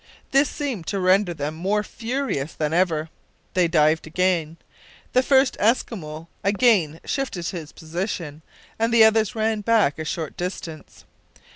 This seemed to render them more furious than ever. They dived again. The first Eskimo again shifted his position, and the others ran back a short distance.